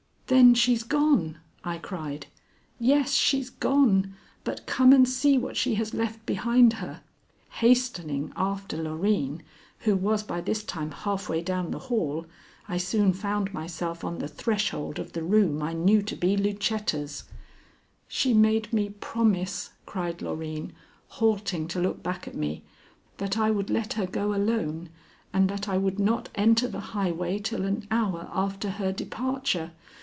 "Then she's gone?" I cried. "Yes, she's gone, but come and see what she has left behind her." Hastening after Loreen, who was by this time half way down the hall, I soon found myself on the threshold of the room I knew to be Lucetta's. "She made me promise," cried Loreen, halting to look back at me, "that I would let her go alone, and that I would not enter the highway till an hour after her departure.